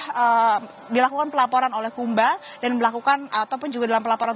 ataupun juga dalam pelaporan ini sudah dilakukan pelaporan oleh kumba dan melakukan ataupun juga dalam pelaporan